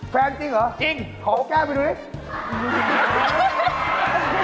แฟนจริงเหรอขอแก้มไปดูนิดหน่อยจริง